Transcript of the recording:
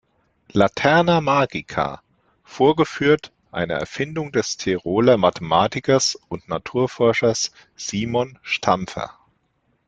Laterna magica vorgeführt, einer Erfindung des Tiroler Mathematikers und Naturforschers Simon Stampfer.